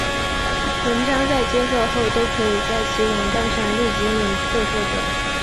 文章在接受后都可以在其网站上立即免费获得。